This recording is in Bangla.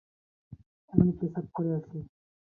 আমি পেশাব করে আসি।